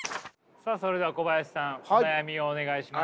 さあそれでは小林さんお悩みをお願いします。